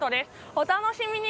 お楽しみに！